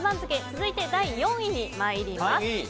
続いて、第４位に参ります。